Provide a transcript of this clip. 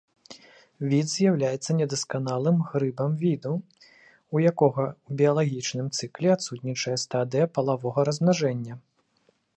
Від з'яўляецца недасканалым грыбам віду, у якога ў біялагічным цыкле адсутнічае стадыя палавога размнажэння.